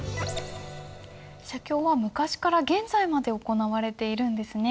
写経は昔から現在まで行われているんですね。